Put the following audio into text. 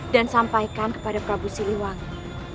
dan sampaikan kepada prabu siliwangi